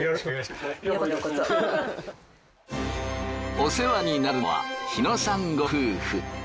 お世話になるのは樋野さんご夫婦。